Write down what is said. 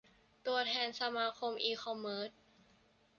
ตัวแทนสมาคมอีคอมเมิร์ช